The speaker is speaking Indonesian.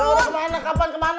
udah kemana kapan kemana